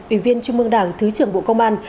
ủy viên trung mương đảng thứ trưởng bộ công an